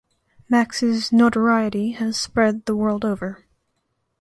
Max’s notoriety has spread the world over.